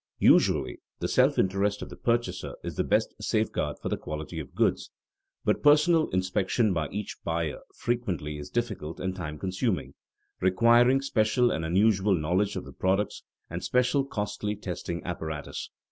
Usually, the self interest of the purchaser is the best safeguard for the quality of goods; but personal inspection by each buyer frequently is difficult and time consuming, requiring special and unusual knowledge of the products, and special costly testing apparatus.